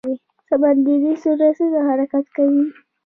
سمندري ستوری څنګه حرکت کوي؟